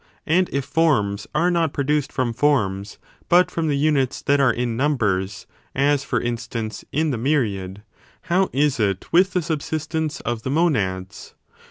And if forms are not produced from forms, but from the units that are in numbers — as, for instance, in the myriad — how is it with the subsistence of the monads?